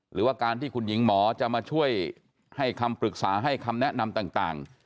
หรือว่าการที่คุณหญิงหมอจะมาช่วยให้คำปรึกษาให้คำแนะนำต่าง